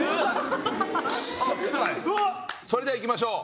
それではいきましょう。